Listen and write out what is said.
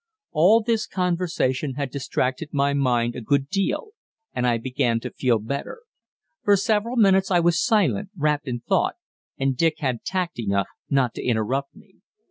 All this conversation had distracted my mind a good deal, and I began to feel better. For several minutes I was silent, wrapped in thought, and Dick had tact enough not to interrupt me.